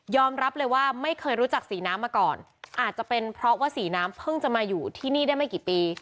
รับเลยว่าไม่เคยรู้จักสีน้ำมาก่อนอาจจะเป็นเพราะว่าสีน้ำเพิ่งจะมาอยู่ที่นี่ได้ไม่กี่ปี